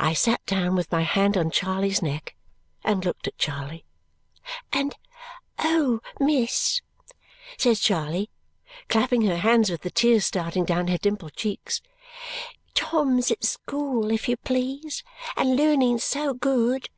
I sat down with my hand on Charley's neck and looked at Charley. "And oh, miss," says Charley, clapping her hands, with the tears starting down her dimpled cheeks, "Tom's at school, if you please, and learning so good!